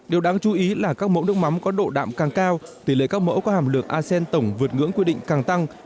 điều đáng chú ý là các mẫu nước mắm có độ đạm càng cao tỷ lệ các mẫu có hàm lượng asean tổng vượt ngưỡng quy định càng tăng